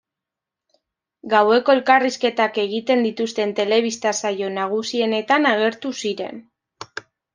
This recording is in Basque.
Gaueko elkarrizketak egiten dituzten telebista saio nagusienetan agertu ziren.